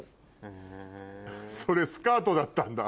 それスカートだったんだ？